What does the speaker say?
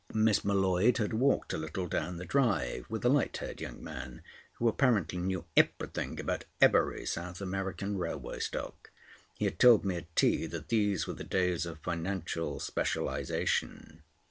Miss M'Leod had walked a little down the drive with a light haired young man, who apparently knew everything about every South American railway stock. He had told me at tea that these were the days of financial specialisation.